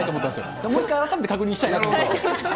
だからもう一回、改めて確認したいなと思って。